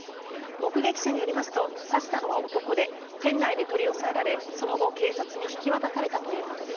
目撃者によりますと刺したのは男で店内で取り押さえられその後、警察に引き渡されたということです。